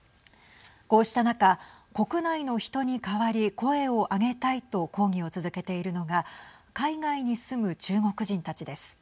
こうした中、国内の人に代わり声を上げたいと抗議を続けているのが海外に住む中国人たちです。